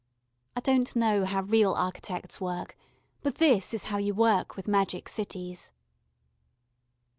I don't know how real architects work, but this is how you work with magic cities.